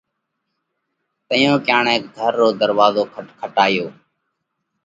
تئيون ڪڻئيڪ گھر رو ڌروازو کٽکٽايو۔